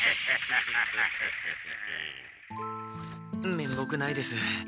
めんぼくないです。